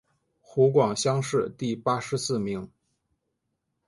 湖广乡试第八十四名。